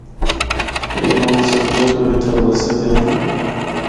اے لوگ صدیاں تو اِتھا بسے دے ہن۔